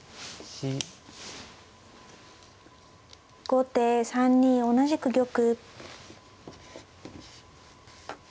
後手３二同じく玉。